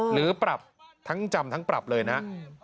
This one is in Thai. หรือปรับทั้งจำทั้งปรับเลยนะครับ